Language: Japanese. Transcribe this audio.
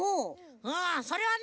うんそれはね